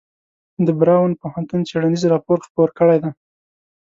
د براون پوهنتون څیړنیز راپور خپور کړی دی.